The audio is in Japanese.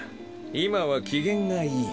今は機嫌がいい。